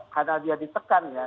karena dia ditekan ya